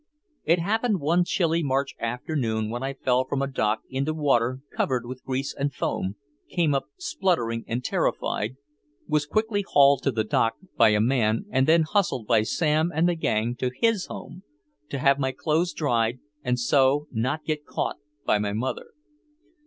It happened one chilly March afternoon when I fell from a dock into water covered with grease and foam, came up spluttering and terrified, was quickly hauled to the dock by a man and then hustled by Sam and the gang to his home, to have my clothes dried and so not get caught by my mother.